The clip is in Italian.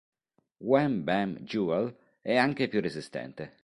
Wham Bam Jewel è anche più resistente.